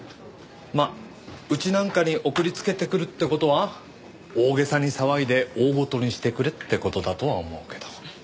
まあうちなんかに送りつけてくるって事は大げさに騒いで大ごとにしてくれって事だとは思うけど。